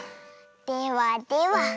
ではでは。